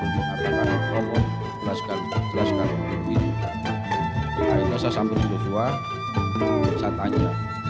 jelaskan jelaskan ini saya sambil jokowi saya tanya